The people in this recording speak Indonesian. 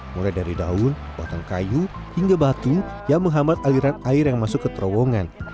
mulai dari daun potong kayu hingga batu yang menghambat aliran air yang masuk ke terowongan